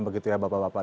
begitu ya bapak bapak